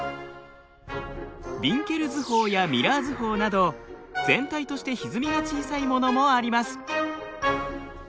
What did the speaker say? ヴィンケル図法やミラー図法など全体としてひずみが小さいものもあります。